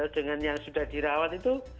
dengan yang sudah dirawat itu